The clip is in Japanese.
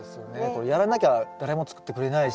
これやらなきゃ誰も作ってくれないし。